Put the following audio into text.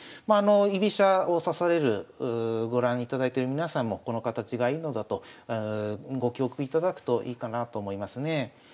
居飛車を指されるご覧いただいてる皆さんもこの形がいいのだとご記憶いただくといいかなと思いますね。